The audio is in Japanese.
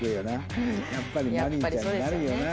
やっぱりマリーちゃんになるよな。